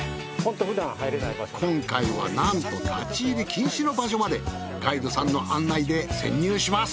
今回はなんと立ち入り禁止の場所までガイドさんの案内で潜入します。